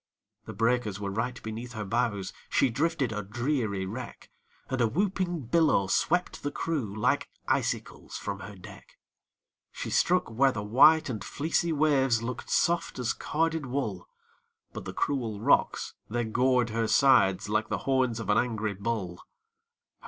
The breakers were right beneath her bows, She drifted a dreary wreck, And a whooping billow swept the crew Like icicles from her deck. She struck where the white and fleecy waves Look'd soft as carded wool, But the cruel rocks, they gored her sides Like the horns of an angry bull.